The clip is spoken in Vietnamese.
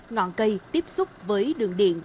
ngọn cây tiếp xúc với đường điện